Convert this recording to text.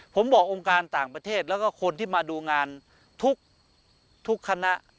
ผมบอกองค์การต่างประเทศแล้วก็คนที่มาดูงานทุกคณะ